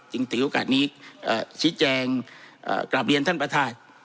ถึงถือโอกาสนี้อ่าชิดแจงอ่ากราบเรียนท่านประธาจ